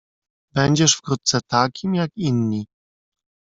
"Będziesz wkrótce takim, jak inni."